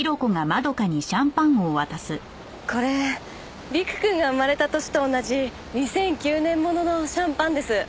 これ陸くんが生まれた年と同じ２００９年物のシャンパンです。